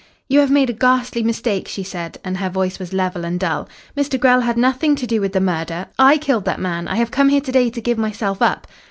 "You have made a ghastly mistake," she said, and her voice was level and dull. "Mr. Grell had nothing to do with the murder. I killed that man. I have come here to day to give myself up."